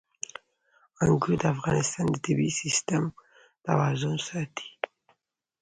انګور د افغانستان د طبعي سیسټم توازن ساتي.